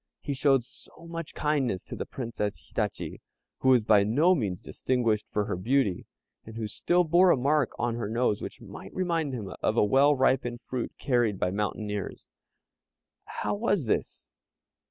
He showed so much kindness to the Princess Hitachi, who was by no means distinguished for her beauty, and who still bore a mark on her nose which might remind one of a well ripened fruit carried by mountaineers. How was this?